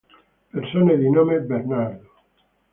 Persone di nome Bernardo